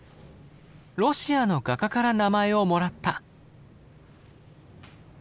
ロシアの画家から名前をもらった。